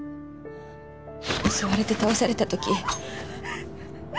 襲われて倒された時。